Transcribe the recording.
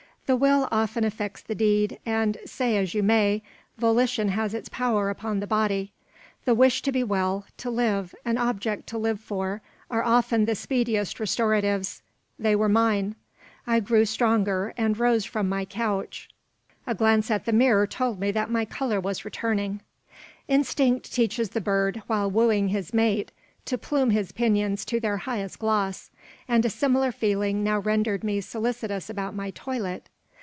The will often effects the deed, and say as you may, volition has its power upon the body. The wish to be well, to live, an object to live for, are often the speediest restoratives. They were mine. I grew stronger, and rose from my couch. A glance at the mirror told me that my colour was returning. Instinct teaches the bird while wooing his mate to plume his pinions to their highest gloss; and a similar feeling now rendered me solicitous about my toilet.